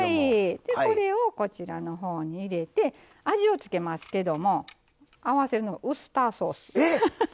でこれをこちらのほうに入れて味を付けますけども合わせるのがウスターソース。